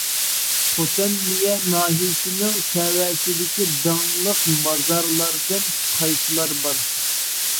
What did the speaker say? خوتەن نىيە ناھىيەسىنىڭ تەۋەسىدىكى داڭلىق مازارلاردىن قايسىلار بار.